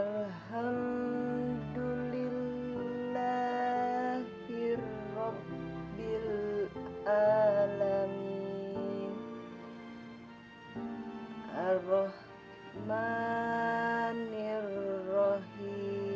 sehingga dia berubah menjadi kandungan yang lebih baik